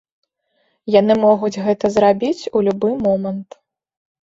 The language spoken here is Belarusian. Яны могуць гэта зрабіць у любы момант.